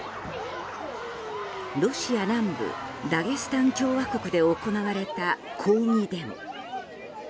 ロシア南部、ダゲスタン共和国で行われた抗議デモ。